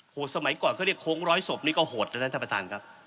สมัยก่อนเขาเรียกโค้งร้อยศพนี่ก็โหดเลยนะท่านประธานครับ